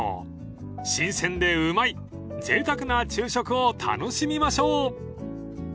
［新鮮でうまいぜいたくな昼食を楽しみましょう］